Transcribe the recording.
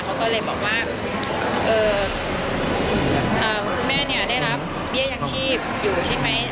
เขาก็เลยบอกว่าคุณแม่เนี่ยได้รับเบี้ยยังชีพอยู่ใช่ไหม